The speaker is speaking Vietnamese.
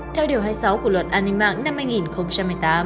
theo điều hai mươi sáu của luật an ninh mạng năm hai nghìn một mươi tám